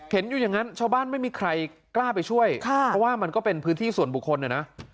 เห็นอยู่อย่างนั้นชาวบ้านไม่มีใครกล้าไปช่วยเพราะว่ามันก็เป็นพื้นที่ส่วนบุคคลนะนะ